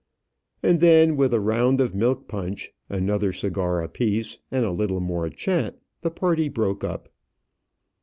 And then, with a round of milk punch, another cigar apiece, and a little more chat, the party broke up.